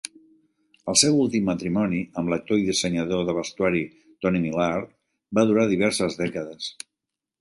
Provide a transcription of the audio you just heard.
El seu últim matrimoni, amb l'actor i dissenyador de vestuari Tony Millard, va durar diverses dècades.